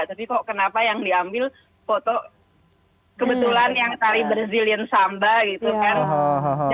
tapi kok kenapa yang diambil foto kebetulan yang tari brazilian samba gitu kan